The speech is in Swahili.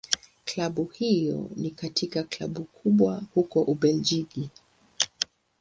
Klabu hiyo ni katika Klabu kubwa huko Ubelgiji.